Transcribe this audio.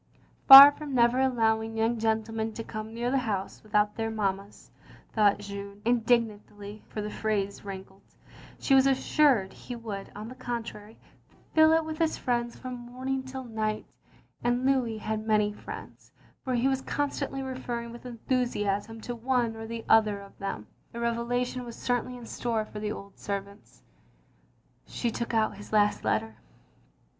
Far from never allowing young gentlemen to come near the house without their mammas, thought Jeanne, indignantly (for the phrase ran kled), she was assured he would, on the contrary, fill it with his friends from morning till night; and Louis had many friends, for he was constantly referring with enthusiasm to one or the other of them. A revelation was certainly in store for the old servants. She took out his last letter.